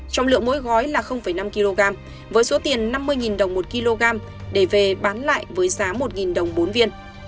trọng lượng mỗi gói là năm kg với số tiền năm mươi đồng một kg để về bán lại với giá một đồng bốn viên